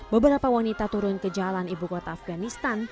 beberapa wanita turun ke jalan ibu kota afganistan